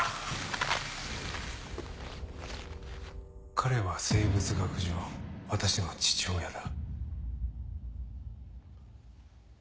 彼は生物学上私の父親だ。